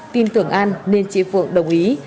tin tưởng an nên chị phượng đồng ý